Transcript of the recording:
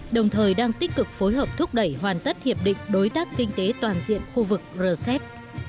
đồng thời đang tích cực phối hợp thúc đẩy hoàn tất hiệp định đối tác kinh tế toàn diện khu vực rcep